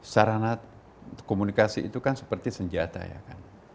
sarana komunikasi itu kan seperti senjata ya kan